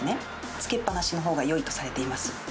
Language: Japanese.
つけっぱなしのほうがよいとされています。